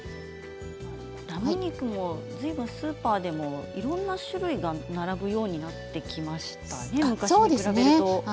ラム肉もスーパーでも、いろんな種類が並ぶようになってきましたね。